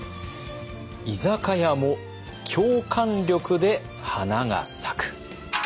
「居酒屋も共感力で花が咲く」。